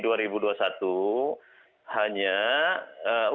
hanya untuk kesehatan